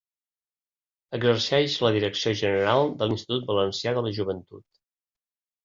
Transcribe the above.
Exerceix la direcció general de l'Institut Valencià de la Joventut.